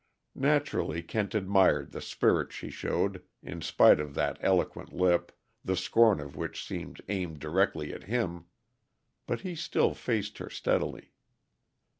Naturally Kent admired the spirit she showed, in spite of that eloquent lip, the scorn of which seemed aimed directly at him. But he still faced her steadily.